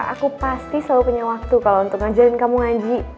aku pasti selalu punya waktu kalo ngajarin kamu ngaji